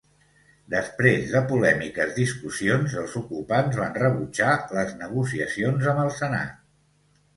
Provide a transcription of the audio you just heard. Després de polèmiques discussions, els ocupants van rebutjar les negociacions amb el Senat.